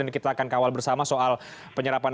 dan kita akan kawal bersama soal penyerapan